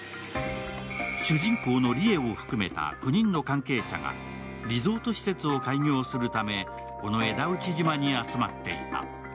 主人公の里英を含めた９人の関係者がリゾート施設を開業するため、この枝内島に集まっていた。